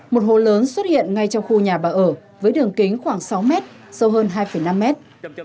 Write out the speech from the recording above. một hồ lớn xuất hiện ngay trong khu nhà bà ở với đường kính khoảng sáu mét sâu hơn hai năm mét